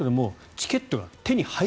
チケット